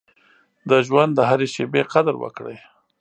د ژوند د هرې شېبې قدر وکړئ.